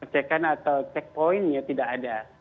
cekan atau checkpointnya tidak ada